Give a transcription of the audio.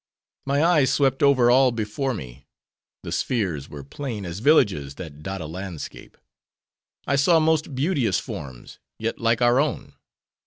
My eyes swept over all before me. The spheres were plain as villages that dot a landscape. I saw most beauteous forms, yet like our own.